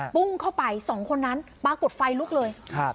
ปุ้งเข้าไปสองคนนั้นปรากฏไฟลุกเลย